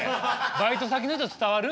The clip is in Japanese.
バイト先の人伝わる？